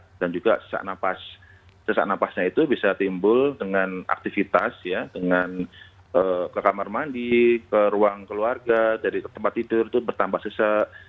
kemudian juga sesak nafasnya itu bisa timbul dengan aktivitas ya dengan ke kamar mandi ke ruang keluarga dari tempat tidur itu bertambah sesak